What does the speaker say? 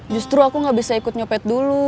justru aku gak bisa ikut nyopet dulu